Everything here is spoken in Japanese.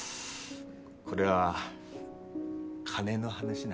これは金の話な？